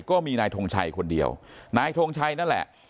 ก็มีนายทงชัยคนเดียวนายทงชัยนั่นแหละ